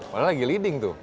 padahal lagi leading tuh